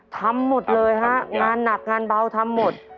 ทำหมดเลยฮะงานหนักงานเบาทำหมด